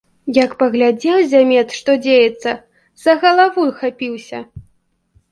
Як паглядзеў зямец, што дзеецца, за галаву хапіўся!